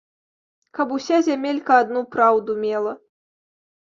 Каб уся зямелька адну праўду мела!